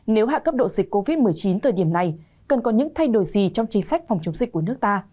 nếu hạ cấp độ dịch covid một mươi chín thời điểm này cần có những thay đổi gì trong chính sách phòng chống dịch của nước ta